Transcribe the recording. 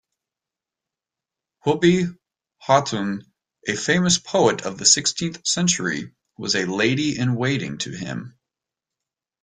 Hubbi Hatun, a famous poet of the sixteenth century, was a lady-in-waiting to him.